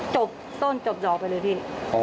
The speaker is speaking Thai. จบต้นจบดอกไปเลยพี่